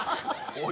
おい！